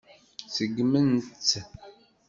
Seggment-tt.